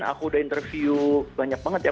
aku udah interview banyak banget ya